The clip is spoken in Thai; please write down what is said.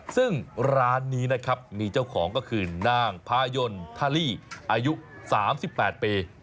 ซึ่งร้านนี้นะครับมีเจ้าของก็คือนางพายนทาลี่อายุ๓๘ปี